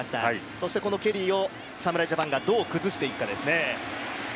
そしてこのケリーを侍ジャパンがどう崩していくかですね。